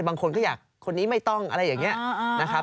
บางคนก็อยากคนนี้ไม่ต้องอะไรอย่างนี้นะครับ